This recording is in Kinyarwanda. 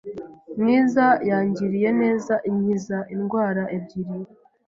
mwiza yangiriye neza inkiza indwara ebyiri